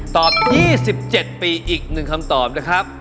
ตอบ๒๗ปีอีก๑คำตอบนะครับ